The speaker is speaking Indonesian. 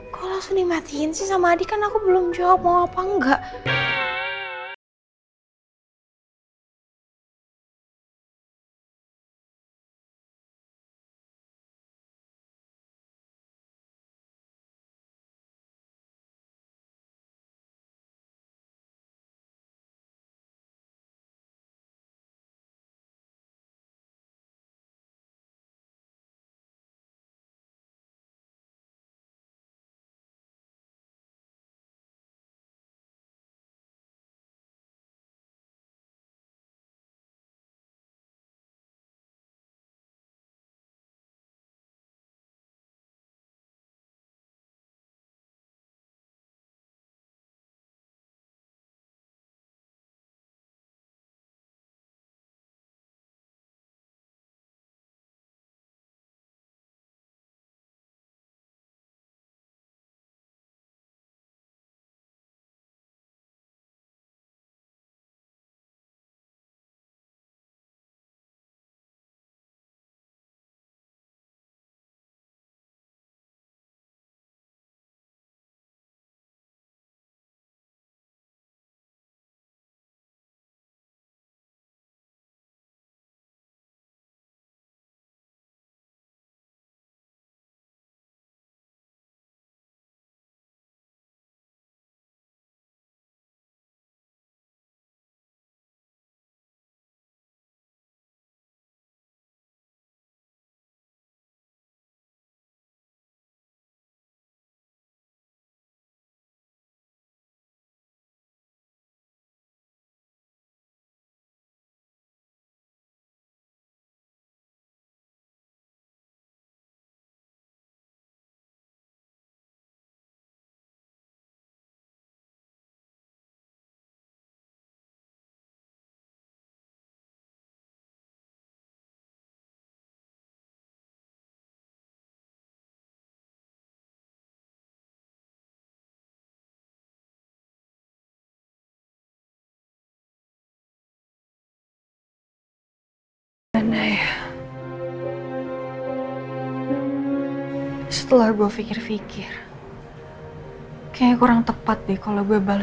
kok langsung dimatikan sih sama adi kan aku belum jawab mau apa enggak